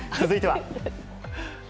続いては。